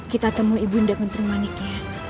kita temui ibu nda kenterimaniknya